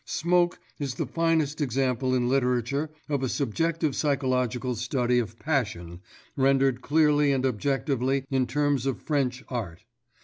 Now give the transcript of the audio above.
Smoke is the finest example in literature of a subjective psychological study of passion rendered clearly and objectively in terms of French art.